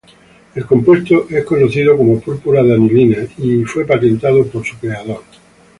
El compuesto es conocido como púrpura de anilina y fue patentado por su creador.